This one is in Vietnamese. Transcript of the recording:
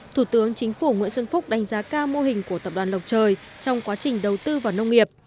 thủ tướng chính phủ nguyễn xuân phúc đánh giá cao mô hình của tập đoàn lộc trời trong quá trình đầu tư vào nông nghiệp